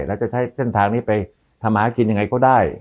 แล้วจะใช้เส้นทางนี้ไปทำหากินยังไงก็ได้